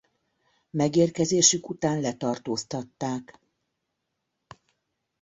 Megérkezésük után letartóztatták.